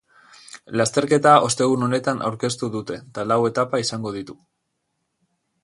Lasterketa ostegun honetan aurkeztu dutee ta lau etapa izango ditu.